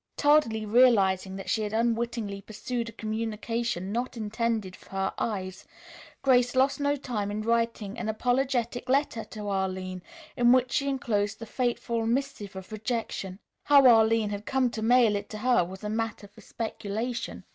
Tardily realizing that she had unwittingly perused a communication not intended for her eyes, Grace lost no time in writing an apologetic letter to Arline in which she enclosed the fateful missive of rejection. How Arline had come to mail it to her was a matter for speculation.